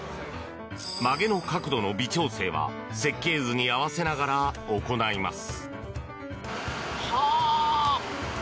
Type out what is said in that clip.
曲げの角度の微調整は設計図に合わせながら行います。